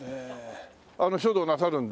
書道なさるんで。